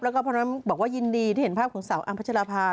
แล้วก็บอกว่ายินดีที่เห็นภาพของสาวอัมพจรภาพ